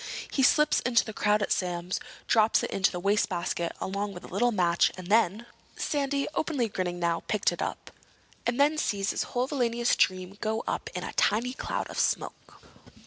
He slips into the crowd at Sam's, drops it into the wastebasket, along with a lit match, and then—" Sandy, openly grinning now, picked it up. "And then sees his whole villainous dream go up in a tiny cloud of smoke."